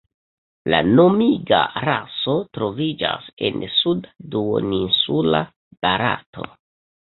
La nomiga raso troviĝas en suda duoninsula Barato.